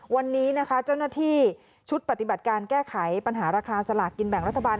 วันนี้นะคะเจ้าหน้าที่ชุดปฏิบัติการแก้ไขปัญหาราคาสลากกินแบ่งรัฐบาล